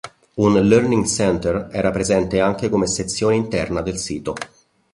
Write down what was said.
Un "Learning Center" era presente anche come sezione interna del sito.